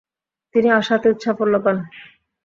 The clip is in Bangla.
তিনি আশাতীত সাফল্য পান।